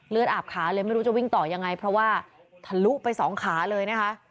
อาบขาเลยไม่รู้จะวิ่งต่อยังไงเพราะว่าทะลุไปสองขาเลยนะคะ